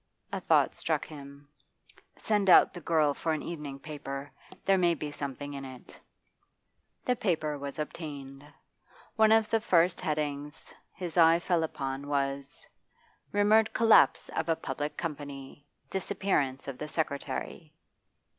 A thought struck him. 'Send out the girl for an evening paper. There may be something in it.' The paper was obtained. One of the first headings his eye fell upon was: 'Rumoured Collapse of a Public Company. Disappearance of the Secretary.